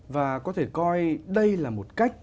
và có thể coi đây là một cách